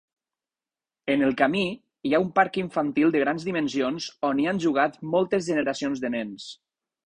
En el camí, hi ha un parc infantil de grans dimensions on hi han jugat moltes generacions de nens.